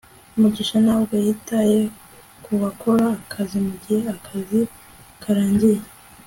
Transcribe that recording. mugisha ntabwo yitaye kubakora akazi mugihe akazi karangiye